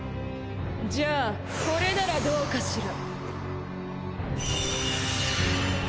じゃあこれならどうかしら？